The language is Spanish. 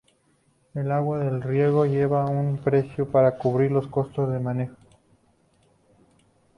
El agua de riego lleva un precio para cubrir los costos de manejo.